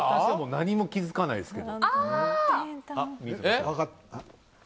何も気付かないですけどあ！